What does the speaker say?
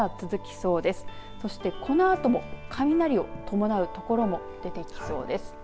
そして、このあとも雷を伴う所も出てきそうです。